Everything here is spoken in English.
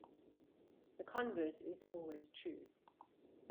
The converse is always true.